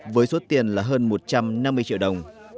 với số tiền là hơn một trăm năm mươi triệu đồng